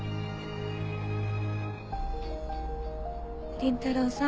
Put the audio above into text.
倫太郎さん。